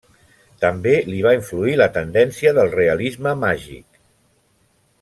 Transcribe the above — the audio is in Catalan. També li va influir la tendència del realisme màgic.